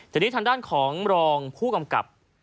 ทีนี้ทางด้านของรองผู้กำกับ